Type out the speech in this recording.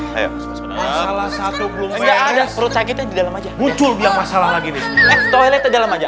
hai ayo masalah satu belum ada perut sakitnya di dalam aja muncul biar masalah lagi di dalam aja